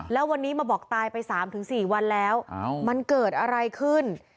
แล้ววันนี้มาบอกตายไป๓๔วันแล้วมันเกิดอะไรขึ้น